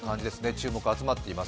注目、集まっています